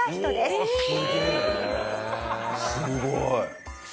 すごい！